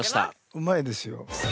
うまいですよ。